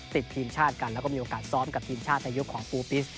ติดทีมชาติกันแล้วก็มีโอกาสซ้อมกับทีมชาติในยุคของปูปิส